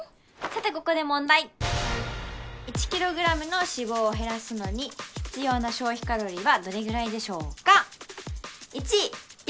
さてここで問題１ｋｇの脂肪を減らすのに必要な消費カロリーはどれぐらいでしょうか？